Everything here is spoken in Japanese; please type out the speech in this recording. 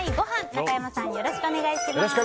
中山さん、よろしくお願いします。